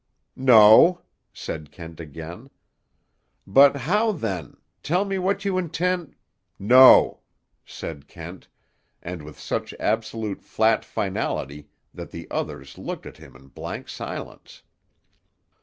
"No," said Kent again. "But how, then—tell me what you intend—" "No," said Kent, and with such absolute flat finality that the others looked at him in blank silence.